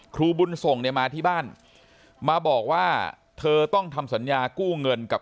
ครูบุญส่งเนี่ยมาที่บ้านมาบอกว่าเธอต้องทำสัญญากู้เงินกับ